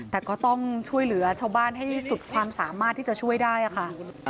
แต่ก็ต้องช่วยเหลือชาวบ้านให้สุดความสามารถที่จะช่วยได้ค่ะ